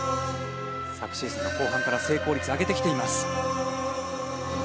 昨シーズンの後半から成功率を上げてきています。